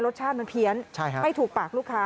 รสชาติมันเพี้ยนไม่ถูกปากลูกค้า